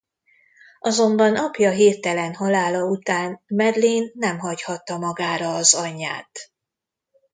Azonban apja hirtelen halála után Madeleine nem hagyhatta magára az anyját.